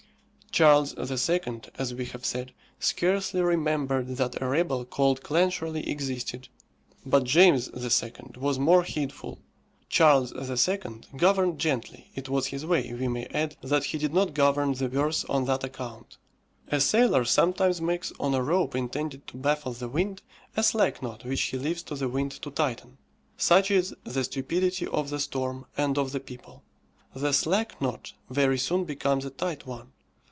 Charles II., as we have said, scarcely remembered that a rebel called Clancharlie existed; but James II. was more heedful. Charles II. governed gently, it was his way; we may add, that he did not govern the worse on that account. A sailor sometimes makes on a rope intended to baffle the wind, a slack knot which he leaves to the wind to tighten. Such is the stupidity of the storm and of the people. The slack knot very soon becomes a tight one.